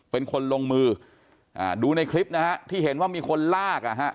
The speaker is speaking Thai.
เป็นคนลงมืออ่าดูในคลิปนะฮะที่เห็นว่ามีคนลากอ่ะฮะ